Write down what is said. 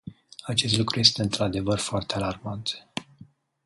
Acest lucru este, într-adevăr, foarte alarmant.